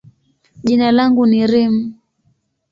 jina langu ni Reem.